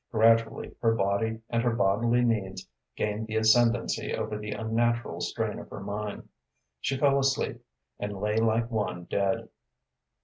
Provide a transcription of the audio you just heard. Gradually her body and her bodily needs gained the ascendancy over the unnatural strain of her mind. She fell asleep, and lay like one dead.